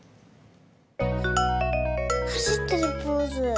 はしってるポーズ。